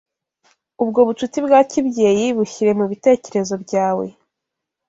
Ubwo bucuti bwa kibyeyi bushyire mubitekerezo byawe